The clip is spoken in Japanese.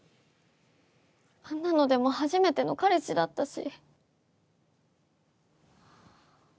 あんなのでも初めての彼氏だったし。